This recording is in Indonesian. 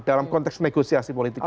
dalam konteks negosiasi politik itu